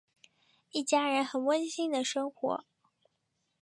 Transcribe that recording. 一家人很温馨的生活。